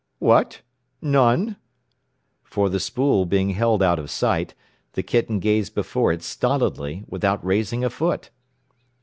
"What? None?" For, the spool being held out of sight, the kitten gazed before it stolidly, without raising a foot.